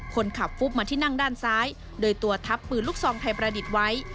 คนขับฟุบมาที่นั่งด้านซ้ายโดยตัวทับปืนลูกซองไทยประดิษฐ์ไว้